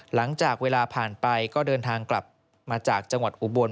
หลังจากเวลาผ่านไปก็เดินทางกลับมาจากจังหวัดอุบล